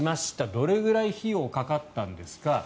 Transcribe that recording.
どれくらい費用がかかったんですか。